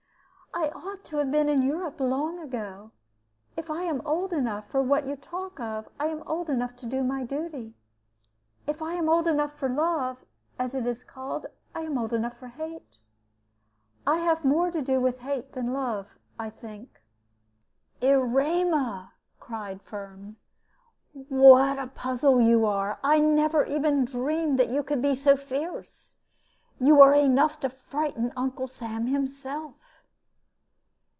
I ought to have been in Europe long ago. If I am old enough for what you talk of, I am old enough to do my duty. If I am old enough for love, as it is called, I am old enough for hate. I have more to do with hate than love, I think." "Erema," cried Firm, "what a puzzle you are! I never even dreamed that you could be so fierce. You are enough to frighten Uncle Sam himself."